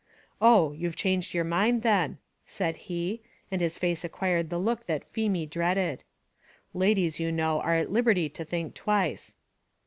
"Oh! you have changed your mind, then," said he; and his face acquired the look that Feemy dreaded. "Ladies, you know, are at liberty to think twice."